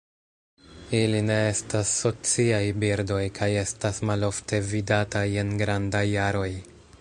Ili ne estas sociaj birdoj kaj estas malofte vidataj en grandaj aroj.